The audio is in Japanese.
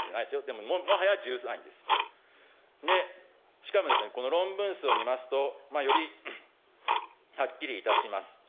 でももはや１３位です。で、しかもですね、この論文数を見ますと、よりはっきりいたします。